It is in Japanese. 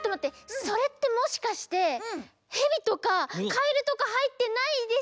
それってもしかしてヘビとかカエルとかはいってないですよね？